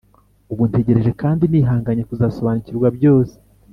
Ubu ntegereje kandi nihanganye kuzasobanukirwa byose